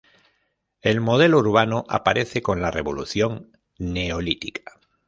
El modelo urbano aparece con la revolución neolítica.